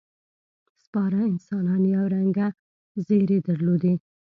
سپاره انسانان یو رنګه ځېرې درلودې.